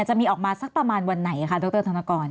จะมีออกมาสักประมาณวันไหนคะดรธนกร